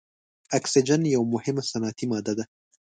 اکسیجن یوه مهمه صنعتي ماده ده.